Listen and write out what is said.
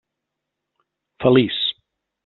Feliç.